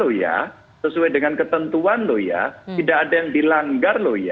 sehingga sesuai dengan ketentuan tidak ada yang dilanggar